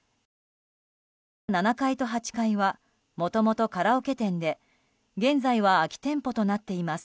７階と８階はもともとカラオケ店で現在は空き店舗となっています。